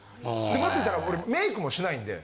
もっと言ったら俺メイクもしないんで。